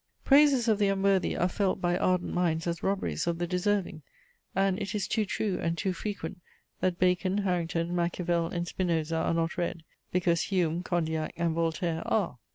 Praises of the unworthy are felt by ardent minds as robberies of the deserving; and it is too true, and too frequent, that Bacon, Harrington, Machiavel, and Spinoza, are not read, because Hume, Condillac, and Voltaire are.